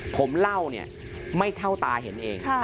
ผมเล่าเนี่ยไม่เท่าตาเห็นเอง